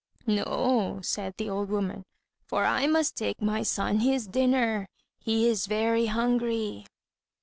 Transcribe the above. "No," said the old woman, "for I must take my son his dinner. He is very hungry."